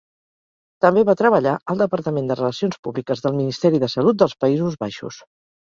També va treballar al departament de relacions públiques del Ministeri de Salut dels Països Baixos.